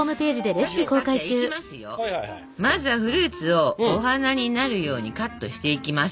まずはフルーツをお花になるようにカットしていきます。